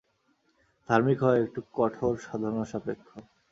ধার্মিক হওয়া একটু কঠোর সাধনাসাপেক্ষ।